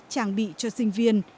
trang bị cho sinh viên